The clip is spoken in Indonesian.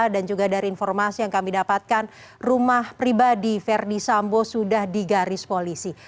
dan juga dari informasi yang kami dapatkan rumah pribadi verdi sambo sudah digaris polisi